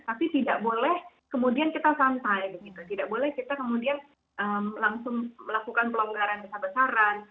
tapi tidak boleh kemudian kita santai begitu tidak boleh kita kemudian langsung melakukan pelonggaran besar besaran